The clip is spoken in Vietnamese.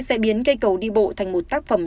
sẽ biến cây cầu đi bộ thành một tác phẩm